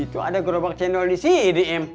itu ada gerobak cendol di sini im